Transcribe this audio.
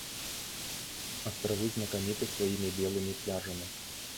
Астравы знакаміты сваімі белымі пляжамі.